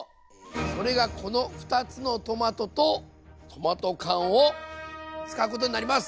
それがこの２つのトマトとトマト缶を使うことになります。